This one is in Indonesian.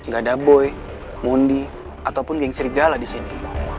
gak ada boy mundi ataupun geng serigala di sini